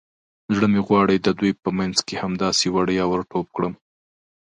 زړه مې غواړي د دوی په منځ کې همداسې وړیا ور ټوپ کړم.